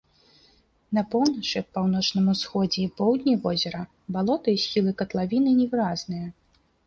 На поўначы, паўночным усходзе і поўдні возера балота і схілы катлавіны невыразныя.